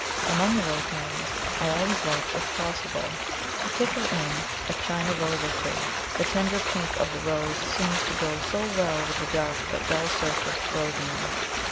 Among the Rosemaries I always like, if possible, to "tickle in" a China Rose or two, the tender pink of the Rose seems to go so well with the dark but dull surfaced Rosemary.